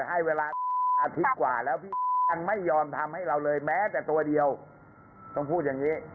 ให้เวลาอาทิตย์กว่าแล้วพี่อันไม่ยอมทำให้เราเลยแม้แต่ตัวเดียวต้องพูดอย่างนี้